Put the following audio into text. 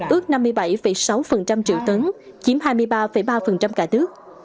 ước năm mươi bảy sáu triệu tấn chiếm hai mươi ba ba cả nước